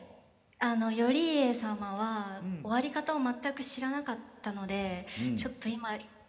「あの頼家様は終わり方を全く知らなかったのでちょっと今かなりズシンと」。